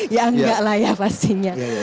ya enggak lah ya pastinya